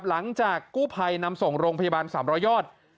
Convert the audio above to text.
หลังจากกู้ภัยนำส่งโรงพยาบาล๓๐๐ยอด